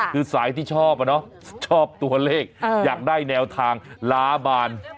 คือสายที่ชอบชอบตัวเลขอยากได้แนวทางล้าบาน